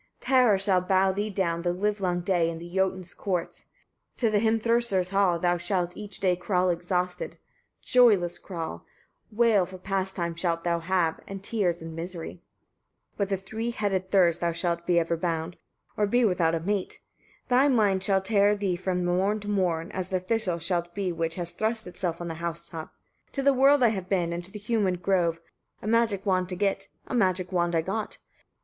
30. Terrors shall bow thee down the livelong day, in the Jotuns' courts. To the Hrimthursar's halls, thou shalt each day crawl exhausted, joyless crawl; wail for pastime shalt thou have, and tears and misery. 31. With a three headed Thurs thou shalt be ever bound, or be without a mate. Thy mind shall tear thee from morn to morn: as the thistle thou shalt be which has thrust itself on the house top. 32. To the wold I have been, and to the humid grove, a magic wand to get. A magic wand I got.